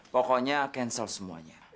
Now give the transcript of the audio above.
pokoknya teruskan semuanya